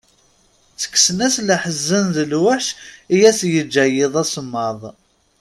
Ttekksen-as leḥzen d lweḥc i as-yeǧǧa yiḍ asemmaḍ.